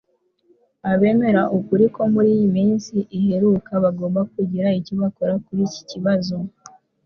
abemera ukuri ko muri iyi minsi iheruka bagomba kugira icyo bakora kur'iki kibazo